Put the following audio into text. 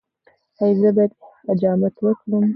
ایا زه باید حجامت وکړم؟